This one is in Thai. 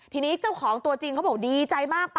ทีนี้เจ้าของตัวจริงเขาบอกดีใจมาก